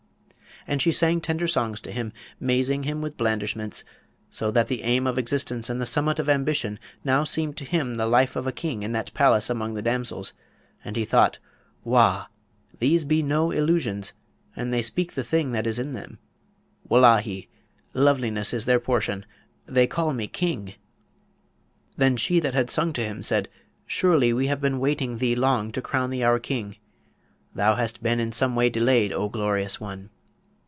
And she sang tender songs to him, mazing him with blandishments, so that the aim of existence and the summit of ambition now seemed to him the life of a king in that palace among the damsels; and he thought, 'Wah! these be no illusions, and they speak the thing that is in them. Wullahy, loveliness is their portion; they call me King.' Then she that had sung to him said, 'Surely we have been waiting thee long to crown thee our King! Thou hast been in some way delayed, O glorious one!'